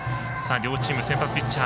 両チーム先発ピッチャー